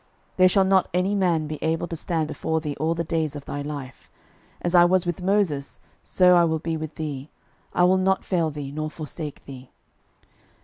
06:001:005 There shall not any man be able to stand before thee all the days of thy life: as I was with Moses, so I will be with thee: I will not fail thee, nor forsake thee.